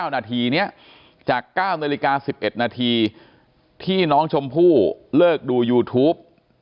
นาทีนี้จาก๙นาฬิกา๑๑นาทีที่น้องชมพู่เลิกดูยูทูป